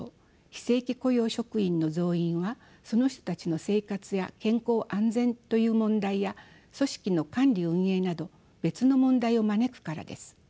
非正規雇用職員の増員はその人たちの生活や健康・安全という問題や組織の管理運営など別の問題を招くからです。